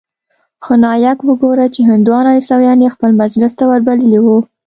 خو نايک وګوره چې هندوان او عيسويان يې خپل مجلس ته وربللي وو.